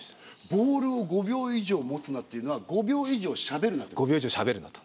「ボールを５秒以上持つな」というのは「５秒以上しゃべるな」ってこと？